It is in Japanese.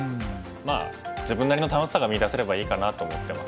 まあ自分なりの楽しさが見いだせればいいかなって思ってます。